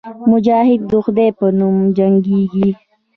مجاهد د خدای په نوم جنګېږي.